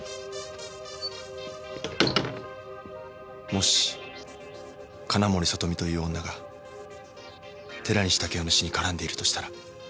もし金森里美という女が寺西竹夫の死に絡んでいるとしたら